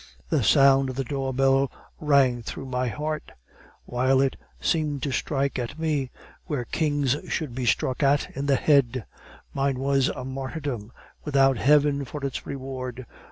"The sound of the door bell rang through my heart; while it seemed to strike at me, where kings should be struck at in the head. Mine was a martyrdom, without heaven for its reward.